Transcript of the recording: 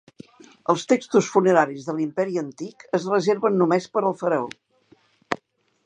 Els textos funeraris de l'Imperi Antic es reserven només per al faraó.